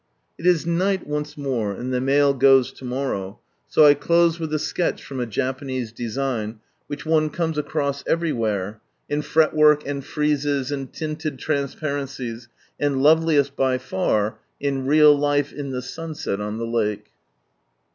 It is night once more, and the mail goes to morrow, so I close with a sketch from a Japanese design, which one comes across everywhere — in fretwork, and friezes, and tinted transparencies, and loveliest by far, in real life in the sunset on the lake.